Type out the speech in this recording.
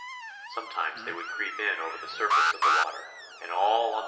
Sometimes they would creep in over the surface of the water and all on the 11913.